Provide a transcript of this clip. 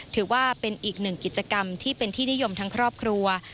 ถือว่าเป็นอีกหนึ่งกิจกรรมที่เป็นที่นิยมทั้งครอบครัว